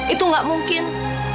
itu gak mungkin